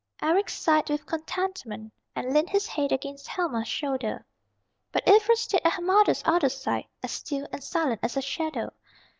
Eric sighed with contentment, and leaned his head against Helma's shoulder. But Ivra stayed at her mother's other side, as still and silent as a shadow.